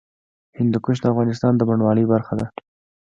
هندوکش د افغانستان د بڼوالۍ برخه ده.